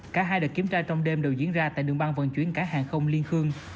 cả hai đợt kiểm tra trong đêm đều diễn ra tại đường băng vận chuyển cả hàng không liên khương